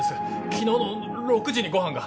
昨日の６時にご飯が。